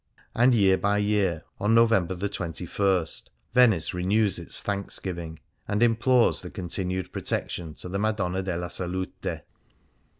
And year by year, on November 21, Venice renews its thanksgiving, and implores the continued protection to the "Madonna della Salute."